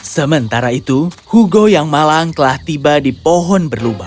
sementara itu hugo yang malang telah tiba di pohon berlubang